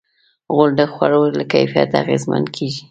غول د خوړو له کیفیت اغېزمن کېږي.